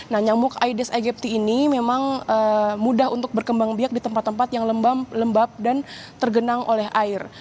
nah nyamuk aedes aegypti ini memang mudah untuk berkembang biak di tempat tempat yang lembab dan tergenang oleh air